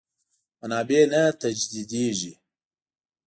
منابع نه تجدیدېږي.